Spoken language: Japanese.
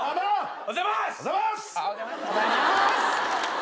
おはようございます。